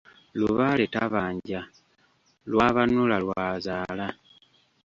Lubaale tabanja, lwabanula lwazaala.